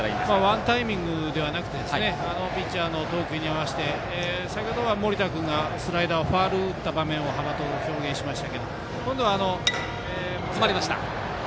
ワンタイミングではなくてピッチャーの投球に合わせて先ほどは森田君がスライダーをファウル打った場面を幅と表現しました。